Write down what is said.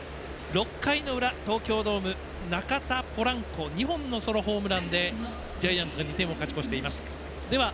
６回の裏、東京ドーム中田、ポランコ２本のソロホームランで勝ち越しています。